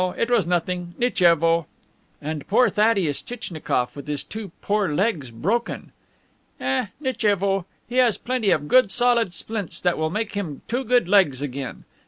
It was nothing. Nitchevo!" "And poor Thaddeus Tchitchnikoff with his two poor legs broken!" "Eh! Nitchevo! He has plenty of good solid splints that will make him two good legs again.